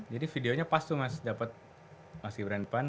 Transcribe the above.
jadi videonya pas tuh mas dapet mas gibran depan